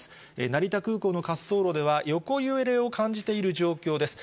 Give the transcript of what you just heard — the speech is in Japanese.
成田空港の滑走路では、横揺れを感じている状況です。